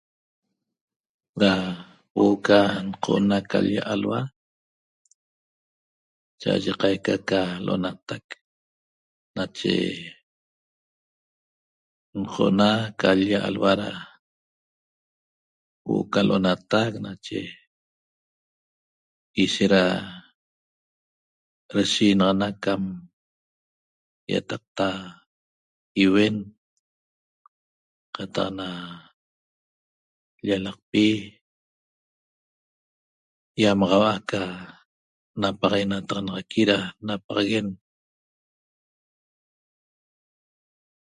Da huo'o ca nqo'ona ca l-lla alhua cha'aye qaica ca l'onatac nache nqo'ona ca l-lla alhua da huo'o ca l'onatac nache ishet da deshiinaxana ca ýataqa iuen qataq na llalaqpi ýamaxau'a aca napaxaguenataxanaxaqui da napaxaguen